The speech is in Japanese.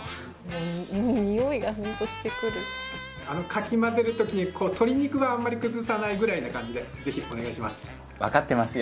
かき混ぜる時に鶏肉はあんまり崩さないぐらいな感じでぜひお願いします。